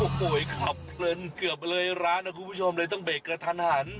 โอ้โหขับเพลินเกือบเลยร้านนะคุณผู้ชมเลยต้องเบรกกระทันหัน